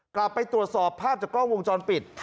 กลับไปตรวจสอบภาพจากกล้องวงจรปิด